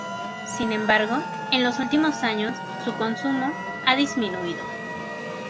Sin embargo, en los últimos años su consumo ha disminuido.